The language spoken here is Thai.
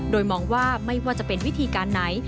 โดยมองว่าไม่ว่าจะเป็นวิธีการไหน